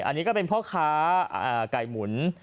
อันนี้ก็เป็นเพาะค้าก่ายหมุน